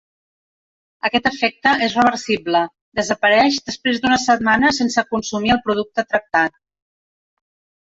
Aquest efecte és reversible, desapareix després d’una setmana sense consumir el producte tractat.